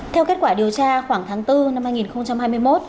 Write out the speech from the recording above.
theo kết quả điều tra khoảng tháng bốn năm hai nghìn hai mươi một